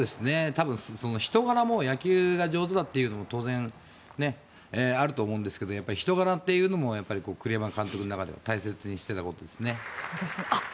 人柄も野球が好きだというのも当然、あると思うんですけど人柄というのも栗山監督の中では大切にしていたと。